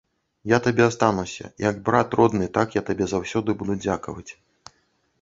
Я табе астануся, як брат родны, так я табе заўсёды буду дзякаваць.